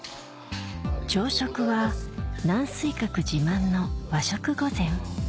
朝食は楠水閣自慢の和食御膳